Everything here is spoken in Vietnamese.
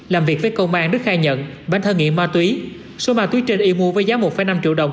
làm việc với công an rất khai nhận bán thơ nghiện ma túy số ma túy trên yêu mua với giá một năm triệu đồng